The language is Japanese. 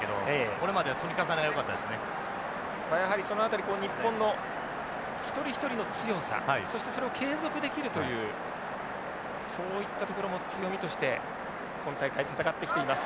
やはりその辺り日本の一人一人の強さそしてそれを継続できるというそういったところも強みとして今大会戦ってきています。